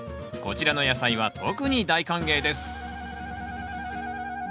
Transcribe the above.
こちらの野菜は特に大歓迎です。